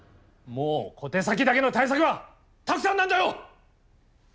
もう小手先だけの対策はたくさんなんだよ！